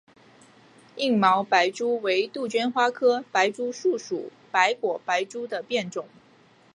硬毛白珠为杜鹃花科白珠树属白果白珠的变种。